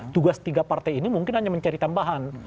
tugas tiga partai ini mungkin hanya mencari tambahan